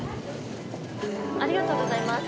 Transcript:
ありがとうございます